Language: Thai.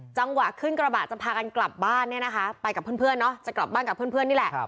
จังหวะขึ้นกระบะจะพากันกลับบ้านเนี่ยนะคะไปกับเพื่อนเนาะจะกลับบ้านกับเพื่อนนี่แหละ